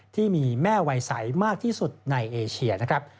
ที่มีแม่วัยใสมากที่สุดในเอเชียนะครับ